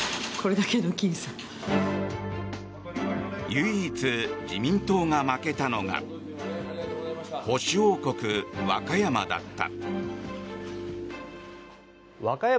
唯一、自民党が負けたのが保守王国・和歌山だった。